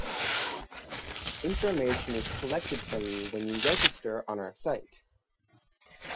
Information is collected from you when you register on our site.